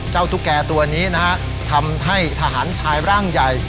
ตุ๊กแก่ตัวนี้นะฮะทำให้ทหารชายร่างใหญ่